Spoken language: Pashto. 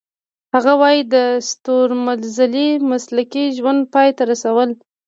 هغه وايي د ستورمزلۍ مسلکي ژوند پای ته رسولو .